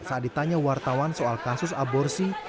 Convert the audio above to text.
saat ditanya wartawan soal kasus aborsi